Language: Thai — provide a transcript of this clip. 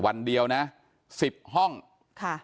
วันเดียวนะสิบห้องค่ะ